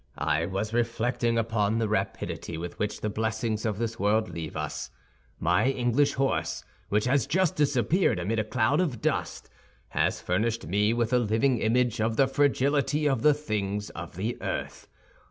"I was reflecting upon the rapidity with which the blessings of this world leave us. My English horse, which has just disappeared amid a cloud of dust, has furnished me with a living image of the fragility of the things of the earth.